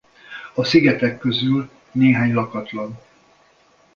A szigetek közül néhány lakatlan.